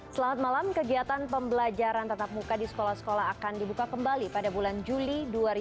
selamat malam kegiatan pembelajaran tetap muka di sekolah sekolah akan dibuka kembali pada bulan juli dua ribu dua puluh